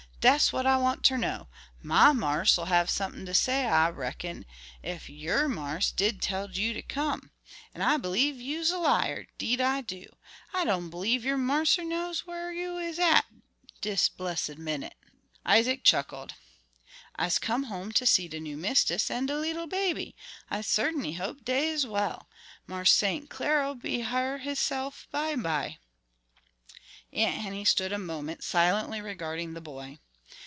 "Dat's what I want ter know. Mymarse'll have somethin' ter say I reckon, ef yer marse did tell'd yer ter come. An' I b'lieve you's a liar, 'deed I do. I don' b'lieve yer marser knows whar you is at, dis blessid minnit." Isaac chuckled. "I'se come home ter see de new mistis an' de leetle baby; I cert'n'y hope dey is well. Marse St. Clar'll be hyar hisself bimeby." Aunt Henny stood a moment silently regarding the boy.